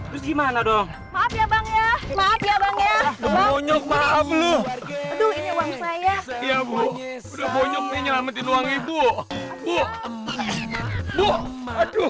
gimana dong maaf ya bang ya maaf ya bang ya maaf ya ibu nyelamatin uang ibu aduh aduh